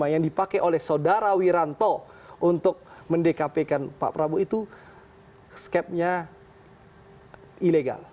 yang dipakai oleh saudara wiranto untuk mendekapikan pak prabowo itu skepnya ilegal